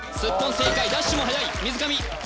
正解ダッシュもはやい水上